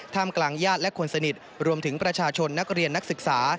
กลางญาติและคนสนิทรวมถึงประชาชนนักเรียนนักศึกษา